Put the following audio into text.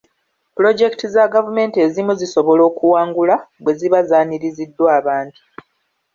Pulojekiti za gavumenti ezimu zisobola okuwangula bwe ziba zaaniriziddwa abantu.